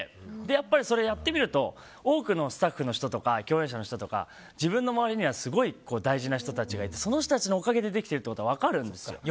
やっぱりそれをやってみると多くのスタッフの人とか共演者の人とか自分の周りには大事な人がいてその人たちのおかげでできてるというのが分かるんですよ。